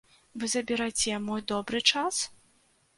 Вы забераце мой добры час?!